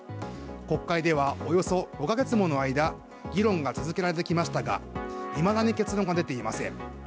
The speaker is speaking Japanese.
国会ではおよそ５カ月もの間議論が続けられてきましたがいまだに結論が出ていません。